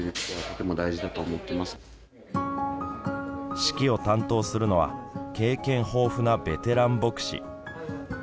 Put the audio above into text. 式を担当するのは経験豊富なベテラン牧師。